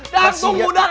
dang tunggu dang